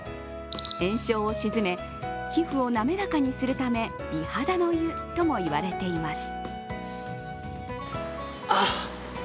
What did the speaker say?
炎症を鎮め、皮膚を滑らかにするため美肌の湯ともいわれています。